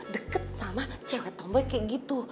deket sama cewek tembok kayak gitu